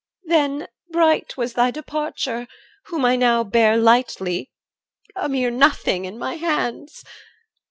Then bright was thy departure, whom I now Bear lightly, a mere nothing, in my hands.